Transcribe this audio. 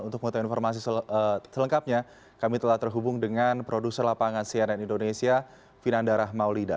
untuk mengetahui informasi selengkapnya kami telah terhubung dengan produser lapangan cnn indonesia vinandara maulida